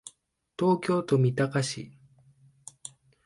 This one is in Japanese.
東京都三鷹市